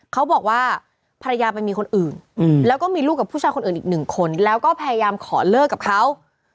เขาบอกว่าภรรยาไปมีคนอื่นแล้วก็มีลูกกับผู้ชายคนอื่นอีกหนึ่งคนแล้วก็พยายามขอเลิกกับเขา